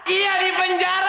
iya di penjara